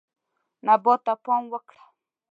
نبات ته پام وکړه.